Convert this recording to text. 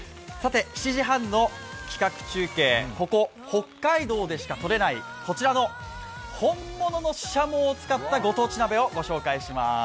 ７時半の企画中継、ここ北海道でしか取れないこちらの本物のししゃもを使ったご当地鍋をご紹介します。